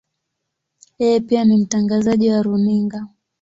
Yeye pia ni mtangazaji wa runinga.